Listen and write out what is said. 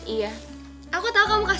iya aku tau kamu kasian sama dia